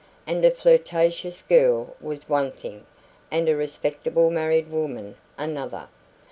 And a flirtatious girl was one thing, and a respectable married woman another.